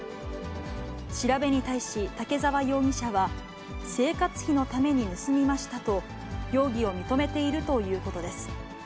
調べに対し、武沢容疑者は、生活費のために盗みましたと、容疑を認めているということです。